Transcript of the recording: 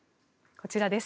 こちらです。